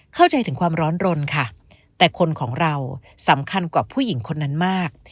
เข้าใจถึงความร้อนรนค่ะแต่คนของเราสำคัญกว่าผู้หญิงคนนั้นมาก